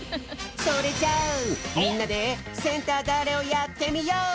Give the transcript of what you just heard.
それじゃあみんなで「センターだぁれ？」をやってみよう！